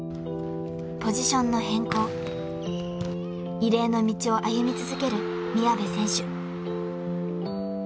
［異例の道を歩み続ける宮部選手］